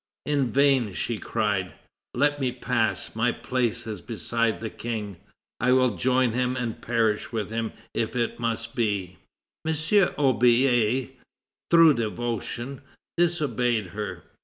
In vain she cried: "Let me pass; my place is beside the King; I will join him and perish with him if it must be." M. Aubier, through devotion, disobeyed her.